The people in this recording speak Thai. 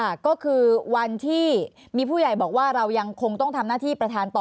ค่ะก็คือวันที่มีผู้ใหญ่บอกว่าเรายังคงต้องทำหน้าที่ประธานต่อ